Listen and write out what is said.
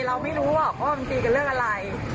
เราไม่รู้หรอกว่ามันตีกันเรื่องอะไร